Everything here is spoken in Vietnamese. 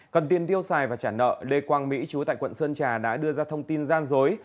cần tiền tiêu xài và trả nợ lê quang mỹ chú tại quận sơn trà đã đưa ra thông tin gian dối